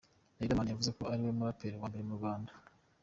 Riderman yavuze ko ari we muraperi wa mbere mu Rwanda.